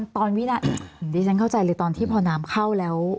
วินาทีฉันเข้าใจเลยตอนที่พอน้ำเข้าแล้ว